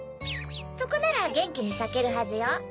そこならゲンキにさけるはずよ。